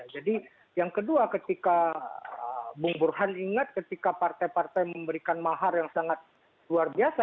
jadi yang kedua ketika bung burhan ingat ketika partai partai memberikan mahar yang sangat luar biasa